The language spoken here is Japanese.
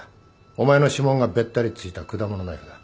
お前の指紋がべったりついた果物ナイフだ。